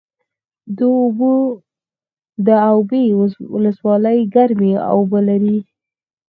د اوبې ولسوالۍ ګرمې اوبه لري